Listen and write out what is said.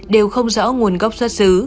đều không rõ nguồn gốc xuất xứ